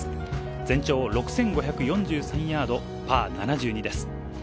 全長６５４３ヤード、パー７２です。